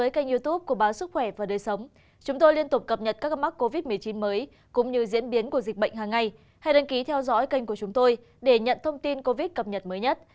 các bạn hãy đăng ký kênh của chúng tôi để nhận thông tin cập nhật mới nhất